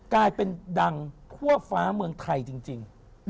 กลายเป็นดังทั่วฟ้าเมืองไทยจริง